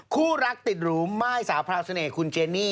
คู่รักติดหรูม่ายสาวพราวเสน่ห์คุณเจนี่